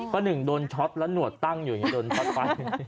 เขาหนึ่งโดนช็อปแล้วหนัวตั้งอยู่อย่างนี้โดนพัดไฟ